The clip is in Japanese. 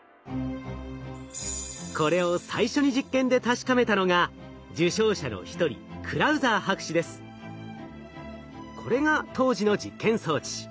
これを最初に実験で確かめたのが受賞者の一人これが当時の実験装置。